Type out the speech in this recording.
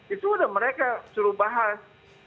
itu udah mereka suruh bahas